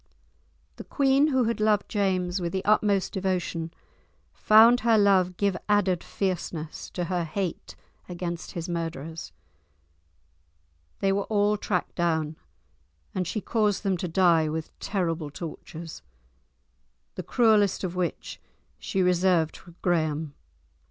The queen, who had loved James with the utmost devotion, found her love give added fierceness to her hate against his murderers. They were all tracked down, and she caused them to die with terrible tortures, the cruellest of which she reserved for Graham.